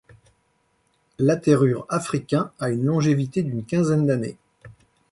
L'Athérure africain à une longévité d'un quinzaine d'années.